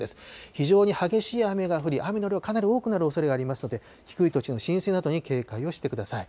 非常に激しい雨が降り、雨の量、かなり多くなるおそれがありますので、低い土地の浸水などに警戒をしてください。